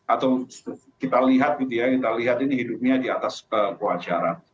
atau kita lihat ini hidupnya di atas kewajaran